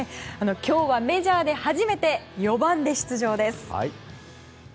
今日はメジャーで初めて４番で出場です。